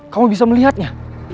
kamu bisa melihatnya